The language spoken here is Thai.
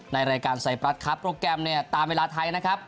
ในรายการไซปรัสครับโปรแกรมเนี่ยตามเวลาไทยนะครับ